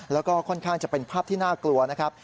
แล้วก็ค่อนข้างจะเป็นภาพที่น่ากลัวนะครับ